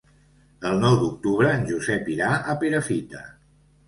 El nou d'octubre en Josep irà a Perafita.